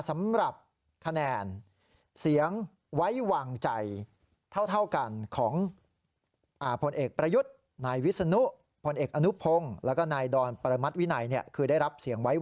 สำหรับฉันแสดงได้รับ